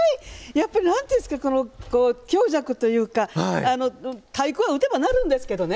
やっぱりなんというんですか強弱というか太鼓は打てば鳴るんですけれどもね